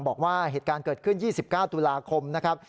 บอกว่าเหตุการณ์เกิดขึ้น๒๙ตุลาคมนะครับ